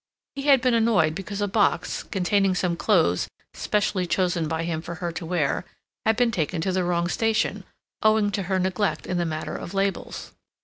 He had been annoyed because a box, containing some clothes specially chosen by him for her to wear, had been taken to the wrong station, owing to her neglect in the matter of labels.